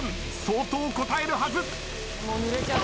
相当こたえるはず。